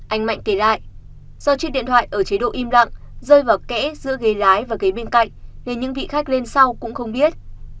anh mạnh kể lại do chiếc điện thoại ở chế độ im lặng rơi vào kẽ giữa ghế lái và ghế bên cạnh nên những vị khách lên sau cũng không biết